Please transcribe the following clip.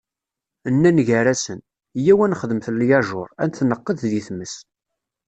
Nnan gar-asen: Yyaw ad nxedmet lyajuṛ, ad t-neqqed di tmes.